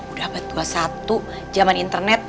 udah abad dua puluh satu jaman internet